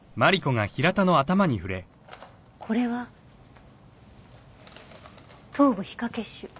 これは頭部皮下血腫。